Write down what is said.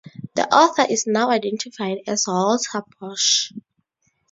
The author is now identified as Walter Bosch.